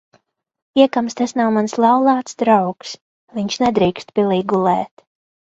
Iekams tas nav mans laulāts draugs, viņš nedrīkst pilī gulēt.